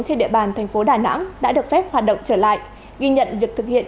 trên địa bàn thành phố đà nẵng đã được phép hoạt động trở lại ghi nhận việc thực hiện